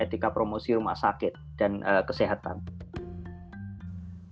ketika ini kesehatan rumah sakit tidak hanya diperoleh oleh masyarakat tidak hanya layanan isolasi rumah sakit